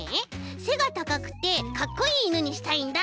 せがたかくてかっこいいいぬにしたいんだ。